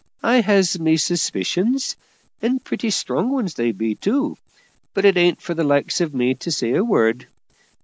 I has my suspicions, and pretty strong ones they be, too; but it ain't for the likes of me to say a word.